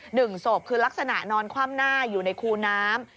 หนึ่งศพคือลักษณะนอนคว่ำหน้าอยู่ในคูน้ำ